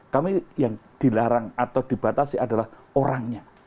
kami yang dilarang atau dibatasi adalah orangnya